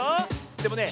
でもね